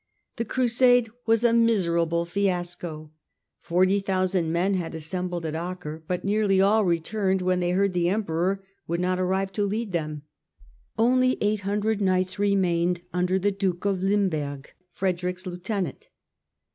The Crusade was a miserable fiasco. Forty thousand men had assembled at Acre, but nearly all returned when they heard the Emperor would not arrive to lead them. Only eight hundred knights remained under the Duke of Limberg, Frederick's lieutenant.